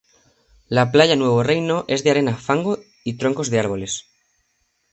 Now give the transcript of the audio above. La playa Nuevo Reino es de arena, fango y troncos de árboles.